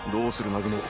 南雲。